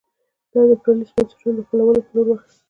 دا یې د پرانېستو بنسټونو د خپلولو په لور واخیستل.